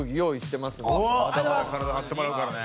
まだまだ体張ってもらうからね。